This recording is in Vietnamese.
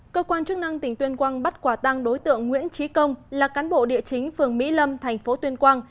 cơ quan chức năng tỉnh tuyên quang bắt quả tăng đối tượng nguyễn trí công là cán bộ địa chính phường mỹ lâm thành phố tuyên quang